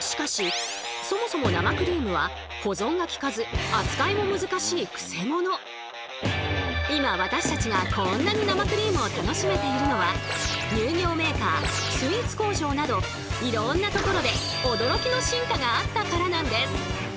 しかしそもそも生クリームは今私たちがこんなに生クリームを楽しめているのは乳業メーカースイーツ工場などいろんなところで驚きの進化があったからなんです。